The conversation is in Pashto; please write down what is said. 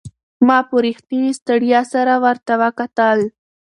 ما په رښتینې ستړیا سره ورته وکتل.